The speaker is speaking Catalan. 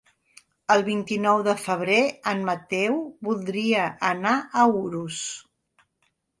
El vint-i-nou de febrer en Mateu voldria anar a Urús.